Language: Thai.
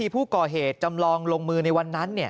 ผู้ก่อเหตุจำลองลงมือในวันนั้น